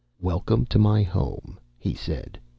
"Welcome to my home," he said.